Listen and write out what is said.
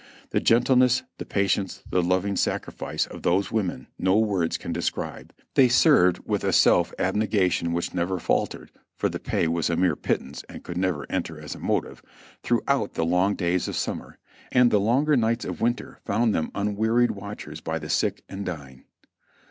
The gentleness, the patience, the loving sac rifice of those women no words can describe. They served with a self abnegation which never faltered (for the pay was a mere pit tance and never could enter as a motive) throughout the long days of summer, and the longer nights of winter found them unwearied watchers by the sick and dying.